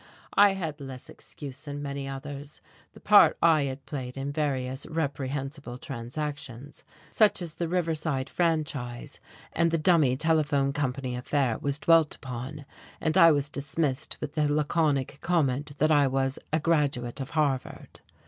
I had less excuse than many others. The part I had played in various reprehensible transactions such as the Riverside Franchise and the dummy telephone company affair was dwelt upon, and I was dismissed with the laconic comment that I was a graduate of Harvard....